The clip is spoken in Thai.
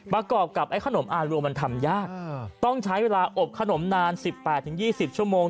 ประกอบกับไอ้ขนมอารัวมันทำยากต้องใช้เวลาอบขนมนาน๑๘๒๐ชั่วโมง